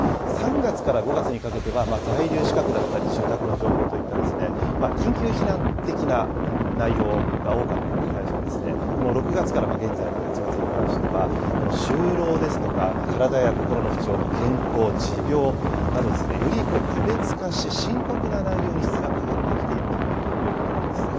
３月から５月にかけては、在留資格だったり、住宅の情報といった緊急避難的な内容が多かったのに対して、この６月から現在まで８月に関しては、この就労ですとか、体や心の不調、健康、持病など、より個別化し、深刻な内容に質が変わってきているということなんです。